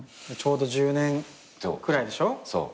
ちょうど１０年くらいでしょ？